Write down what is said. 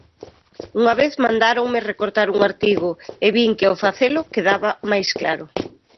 Unha vez mandáronme recortar un artigo é vin que ao facelo quedaba máis claro.